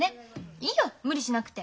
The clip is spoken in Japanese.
いいよ無理しなくて。